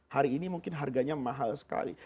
hari ini mungkin harganya mahal sekali